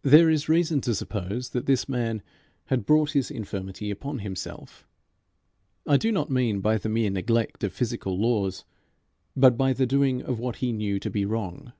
There is reason to suppose that this man had brought his infirmity upon himself I do not mean by the mere neglect of physical laws, but by the doing of what he knew to be wrong.